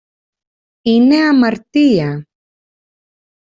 Είναι αμαρτία!